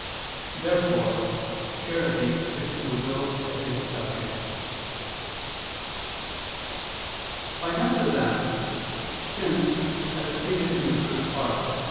Therefore charity is in the will as its subject. I answer that, Since, as stated in the First Part (Q.